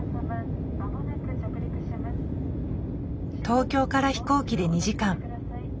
東京から飛行機で２時間。